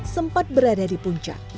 sempat berada di puncak